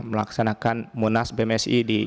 melaksanakan munas bmsi di